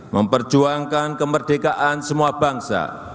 memperjuangkan kemerdekaan semua bangsa